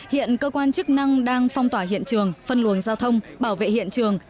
hiện cơ quan chức năng đang phong tỏa hiện trường phân luồng giao thông bảo vệ hiện trường